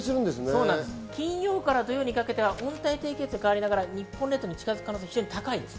金曜から土曜にかけて温帯低気圧に変わりながら日本列島に近づく可能性が高いです。